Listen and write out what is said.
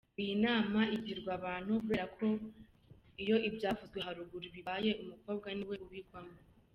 Iyi nama igirwa abantu kubera ko iyo ibyavuzwe haruguru bibaye, umukobwa niwe ubigwamo.